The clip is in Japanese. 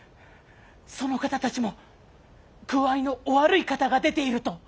その方たちも具合のお悪い方が出ていると。